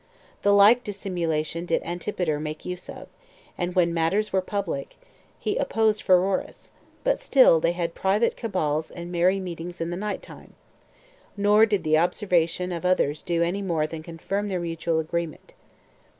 The like dissimulation did Antipater make use of; and when matters were public, he opposed Pheroras; but still they had private cabals and merry meetings in the night time; nor did the observation of others do any more than confirm their mutual agreement.